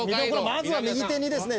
まずは右手にですね